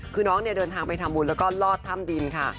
คือน้องเนี่ยเดินทางไปทำบุญแล้วก็ลอดถ้ำดินค่ะ